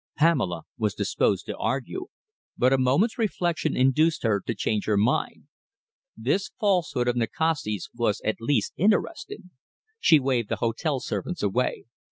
Pamela was disposed to argue, but a moment's reflection induced her to change her mind. This falsehood of Nikasti's was at least interesting. She waved the hotel servants away.